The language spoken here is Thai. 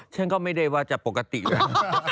ฉันก็ไม่ได้ว่าจะปกติแล้ว